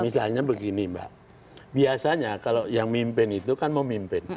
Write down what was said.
misalnya begini mbak biasanya kalau yang mimpin itu kan memimpin